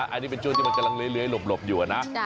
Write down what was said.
อันนี้เป็นช่วงที่มันกำลังเลื้อยหลบอยู่นะ